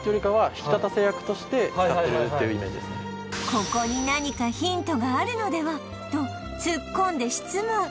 ここに何かヒントがあるのでは？とつっこんで質問